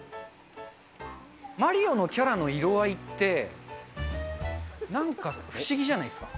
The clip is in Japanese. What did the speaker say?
マリオのキャラの色合いって、なんか、不思議じゃないですか？